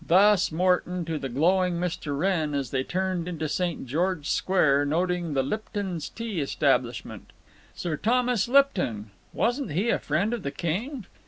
Thus Morton, to the glowing Mr. Wrenn, as they turned into St. George's Square, noting the Lipton's Tea establishment. Sir Thomas Lipton—wasn't he a friend of the king?